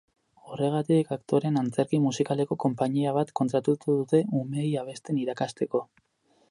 Horregatik, aktoreen antzerki musikaleko konpainia bat kontratu dute umeei abesten irakasteko.